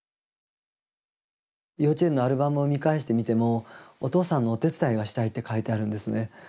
幼稚園のアルバムを見返してみても「お父さんのお手伝いがしたい」って書いてあるんですね。